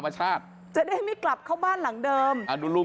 จะได้ไม่กลับเข้าบ้านหลังเดิม